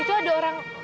itu ada orang